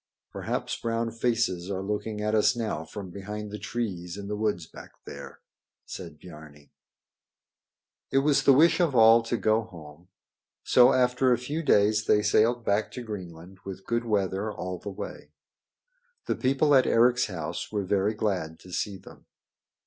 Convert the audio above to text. "Perhaps brown faces are looking at us now from behind the trees in the woods back there," said Biarni. It was the wish of all to go home. So after a few days they sailed back to Greenland with good weather all the way. The people at Eric's house were very glad to see them.